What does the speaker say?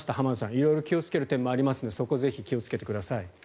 色々気をつける点もありますがそこをぜひ気をつけてください。